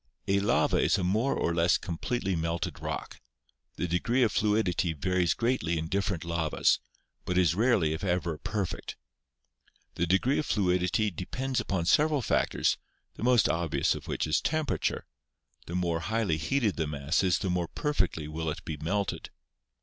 A lava is a more or less completely melted rock ; the de gree of fluidity varies greatly in different lavas, but is rarely if ever perfect. The degree of fluidity depends upon several factors, the most obvious of which is temperature ; the more highly heated the mass is, the more perfectly will it be melted.